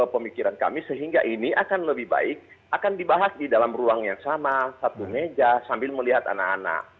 pemikiran kami sehingga ini akan lebih baik akan dibahas di dalam ruang yang sama satu meja sambil melihat anak anak